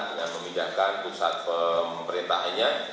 dengan memindahkan pusat pemerintahnya